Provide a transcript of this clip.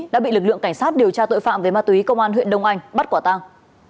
đã bị lực lượng cảnh sát điều tra tội phạm về ma túy công an huyện đông anh bắt quả tang